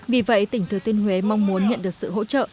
vì vậy tỉnh thừa tuyên huế mong muốn nhận được sự hỗ trợ